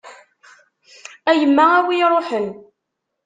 A yemma a wi iṛuḥen.